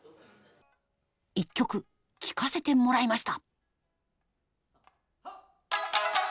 一曲聴かせてもらいました。